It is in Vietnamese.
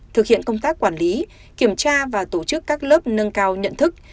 thực hiện công tác quản lý kiểm tra và tổ chức các lớp nâng cao nhận thức